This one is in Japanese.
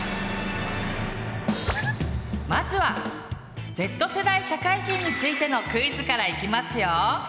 まずはＺ世代社会人についてのクイズからいきますよ！